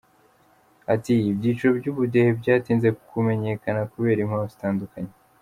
Ati “Ibyiciro by’ubudehe byatinze kumenyekana kubera impamvu zitandukanye.